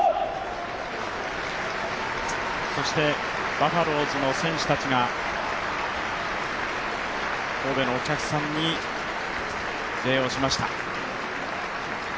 バファローズの選手たちが神戸のお客さんに礼をしました。